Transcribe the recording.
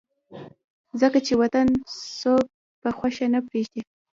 ځکه چې وطن څوک پۀ خوښه نه پريږدي